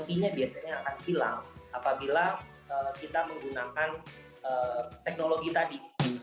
artinya biasanya akan hilang apabila kita menggunakan teknologi tadi